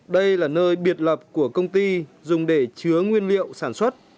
đây là nơi biệt lập của công ty dùng để chứa nguyên liệu sản xuất